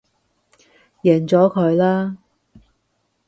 認咗佢啦